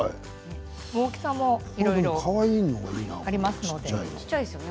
大きさもいろいろありますね。